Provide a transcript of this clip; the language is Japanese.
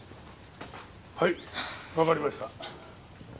はいわかりました。